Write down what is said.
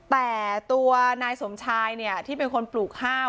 แต่ตัวนายสมชายเนี่ยที่เป็นคนปลูกข้าว